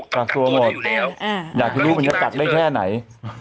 กักตัวด้วยอยู่แล้วอยากที่รู้มันจะกักได้แค่ไหน